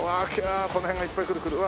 この辺がいっぱい来る来る。